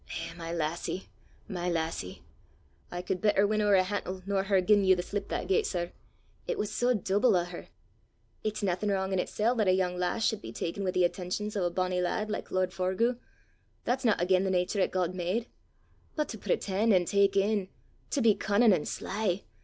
Eh, my lassie! my lassie! I could better win ower a hantle nor her giein' you the slip that gait, sir. It was sae dooble o' her! It's naething wrang in itsel' 'at a yoong lass sud be ta'en wi' the attentions o' a bonnie lad like lord Forgue! That's na again' the natur 'at God made! But to preten' an' tak in! to be cunnin' an' sly!